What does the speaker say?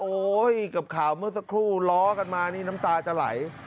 กับข่าวเมื่อสักครู่ล้อกันมานี่น้ำตาจะไหล